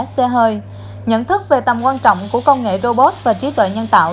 xe hơi nhận thức về tầm quan trọng của công nghệ robot và trí tuệ nhân tạo